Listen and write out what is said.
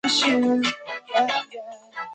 西努沙登加拉省。